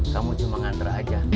kamu cuma ngantre aja